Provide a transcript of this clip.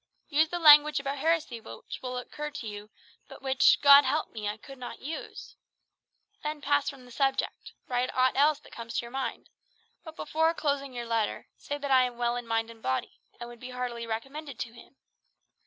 Use the language about heresy which will occur to you, but which God help me! I could not use. Then pass from the subject. Write aught else that comes to your mind; but before closing your letter, say that I am well in mind and body, and would be heartily recommended to him.